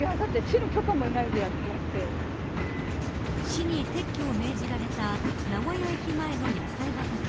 市に撤去を命じられた名古屋駅前の野菜畑。